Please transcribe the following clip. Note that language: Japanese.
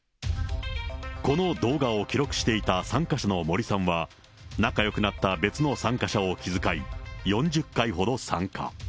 この動画を記録していた参加者のモリさんは、仲よくなった別の参加者を気遣い、４０回ほど参加。